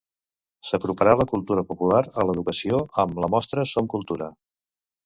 S'aproparà la cultura popular a l'educació amb la mostra Som Cultura.